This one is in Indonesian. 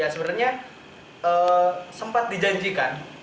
ya sebenarnya sempat dijanjikan